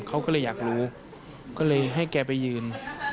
เขาก็เลยอยากรู้ก็เลยให้แกไปยืน